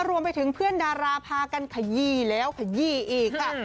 รวมไปถึงเพื่อนดาราพากันขยี้แล้วขยี้อีกค่ะ